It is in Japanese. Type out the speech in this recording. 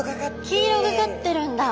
黄色がかってるんだ。